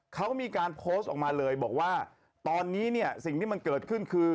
เขามีการโพสต์ออกมาเลยบอกว่าตอนนี้เนี่ยสิ่งที่มันเกิดขึ้นคือ